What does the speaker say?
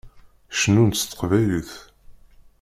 Cennunt s teqbaylit.